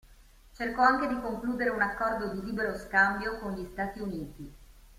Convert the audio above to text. Cercò anche di concludere un accordo di libero scambio con gli Stati Uniti.